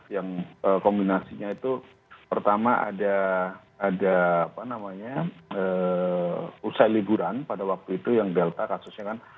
yang kombinasinya itu pertama ada apa namanya usai liburan pada waktu itu yang delta kasusnya kan